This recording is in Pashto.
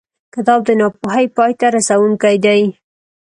کتاب د ناپوهۍ پای ته رسوونکی دی.